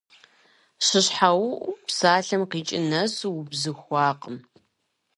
ШыщхьэуӀу псалъэм къикӀыр нэсу убзыхуакъым.